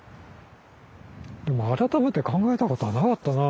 でも改めて考えたことはなかったな。